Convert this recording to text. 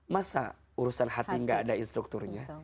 masa urusan hati gak ada instrukturnya